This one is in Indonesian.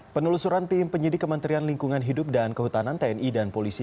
penelusuran tim penyidik kementerian lingkungan hidup dan kehutanan tni dan polisi